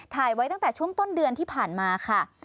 ถ่ายไว้ตั้งแต่ช่วงต้นเดือนที่ผ่านมาค่ะ